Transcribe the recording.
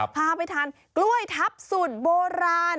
พาไปทานกล้วยทับสูตรโบราณ